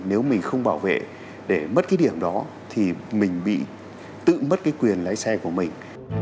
nếu mình không bảo vệ để mất cái điểm đó thì mình bị tự mất cái quyền lái xe của mình